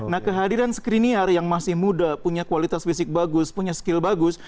nah kehadiran screniar yang masih muda punya kualitas fisik bagus punya skill bagus